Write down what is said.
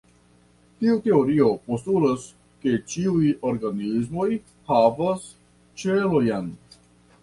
Tiu teorio postulas, ke ĉiuj organismoj havas ĉelojn.